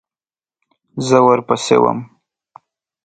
زه ورپسې وم .